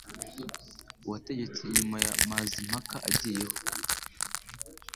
wategetse nyuma ya Mazimpaka agiyeho